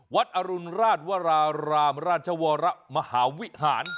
อรุณราชวรารามราชวรมหาวิหาร